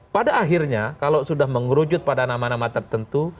pada akhirnya kalau sudah mengerucut pada nama nama tertentu